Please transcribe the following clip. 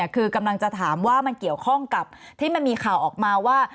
คือกำลังจะถามว่ามันเกี่ยวข้องกับที่มันมีข่าวออกมาว่า